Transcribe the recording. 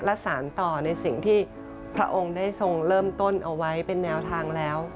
และสารต่อในสิ่งที่พระองค์ได้ทรงเริ่มต้นเอาไว้เป็นแนวทางแล้ว